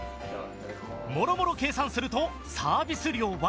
もろもろ計算するとサービス量は。